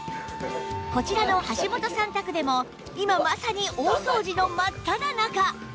こちらの橋本さん宅でも今まさに大掃除の真っただ中